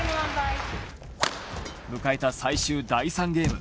迎えた最終第３ゲーム。